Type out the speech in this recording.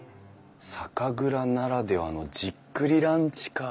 「酒蔵ならではのじっくりランチ」か。